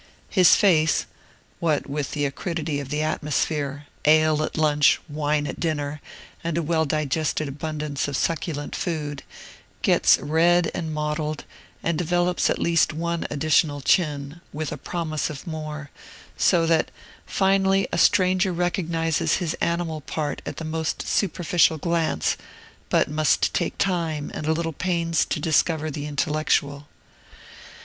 His face (what with the acridity of the atmosphere, ale at lunch, wine at dinner, and a well digested abundance of succulent food) gets red and mottled, and develops at least one additional chin, with a promise of more; so that, finally, a stranger recognizes his animal part at the most superficial glance, but must take time and a little pains to discover the intellectual.